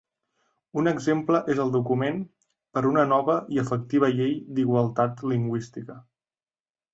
Un exemple és el document Per una nova i efectiva llei d’igualtat lingüística.